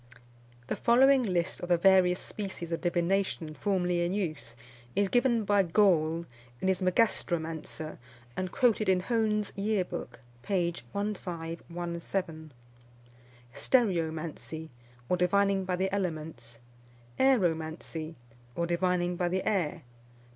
The following list of the various species of divination formerly in use, is given by Gaule in his Magastromancer, and quoted in Hone's Year Book, p. 1517. Stereomancy, or divining by the elements. Aeromancy, or divining by the air.